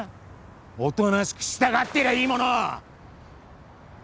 おとなしく従ってりゃいいものを！